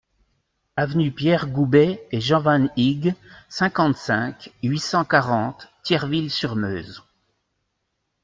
Avenue Pierre Goubet et Jean Van Heeghe, cinquante-cinq, huit cent quarante Thierville-sur-Meuse